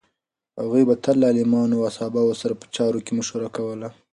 هغوی به تل له عالمانو او اصحابو سره په چارو کې مشوره کوله.